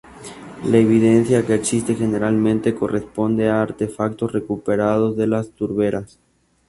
La evidencia que existe generalmente corresponde a artefactos recuperados de las turberas.